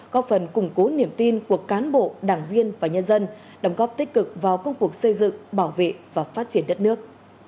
có phần củng cố niềm tin của cán bộ đảng viên và nhân dân đồng góp tích cực vào công cuộc xây dựng bảo vệ và phát triển đất nước